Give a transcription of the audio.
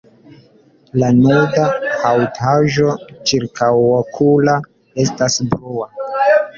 La nuda haŭtaĵo ĉirkaŭokula estas blua.